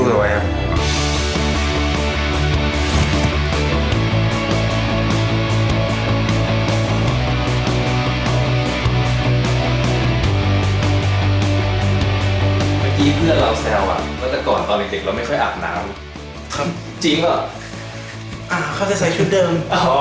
เขาจะใส่ชุดเดิม